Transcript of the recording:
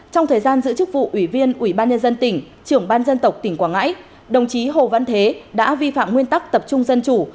trong thời gian giữ chức vụ ủy viên ủy ban nhân dân tỉnh trưởng ban dân tộc tỉnh quảng ngãi đồng chí hồ văn thế đã vi phạm nguyên tắc tập trung dân chủ